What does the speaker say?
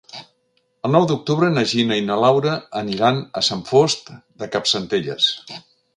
El nou d'octubre na Gina i na Laura aniran a Sant Fost de Campsentelles.